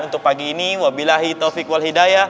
untuk pagi ini wabilahi taufiq wal hidayah